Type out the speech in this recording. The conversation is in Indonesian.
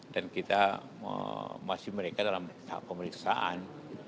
dan kita masih mereka dalam tahap pemeriksaan